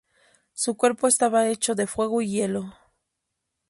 Su cuerpo estaba hecho de fuego y hielo.